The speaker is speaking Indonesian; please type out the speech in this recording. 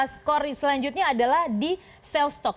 skor selanjutnya adalah di salestox